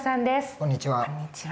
こんにちは。